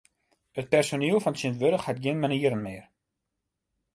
It personiel fan tsjintwurdich hat gjin manieren mear.